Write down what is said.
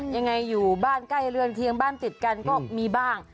อยู่บ้านใกล้เรือนเคียงบ้านติดกันก็มีบ้าง